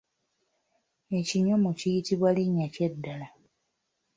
Ekinyomo kiyitibwa linnya ki eddala?